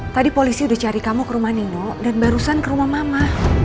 tadi polisi udah cari kamu ke rumah nino dan barusan ke rumah mama